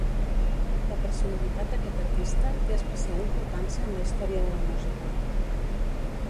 La personalitat d'aquest artista, té especial importància en la història de la Música.